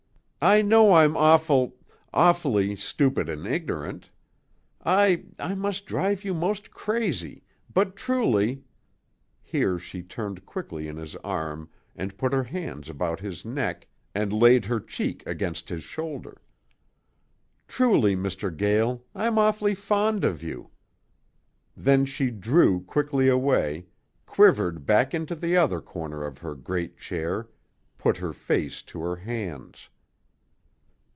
I know I'm awful awfully stupid and ignorant. I I must drive you most crazy, but truly" here she turned quickly in his arm and put her hands about his neck and laid her cheek against his shoulder "truly, Mr. Gael, I'm awful fond of you." Then she drew quickly away, quivered back into the other corner of her great chair, put her face to her hands.